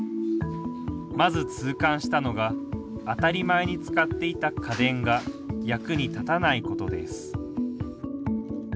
まず、痛感したのが当たり前に使っていた家電が役に立たないことです。